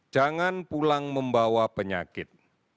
jangan pulang membawa penyakit